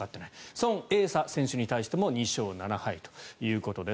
ソン・エイサ選手に対しても２勝７敗ということです。